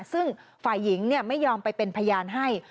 ซึ่งฝ่ายหญิงไม่ยอมไปเป็นพยานให้